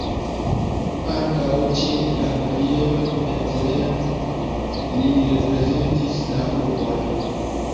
Ankaŭ ĉe Gabrielo Bethlen li reprezentis la urbon.